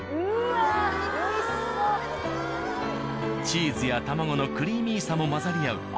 チーズや卵のクリーミーさも混ざり合う